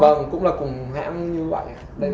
vâng cũng là cùng hãng như vậy